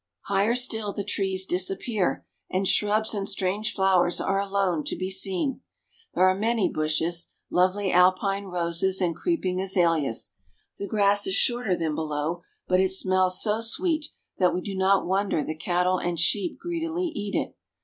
Higher still the trees disappear, and shrubs and strange flowers are alone to be seen. There are many bushes, lovely Alpine roses, and creeping azaleas. The grass is shorter than below, but it smells so sweet that we do not wonder the cattle and sheep greedily eat it.